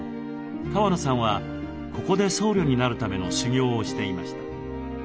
川野さんはここで僧侶になるための修行をしていました。